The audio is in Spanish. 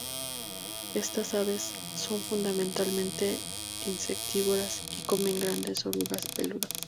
Estas aves son fundamentalmente insectívoras, y comen grandes orugas peludas.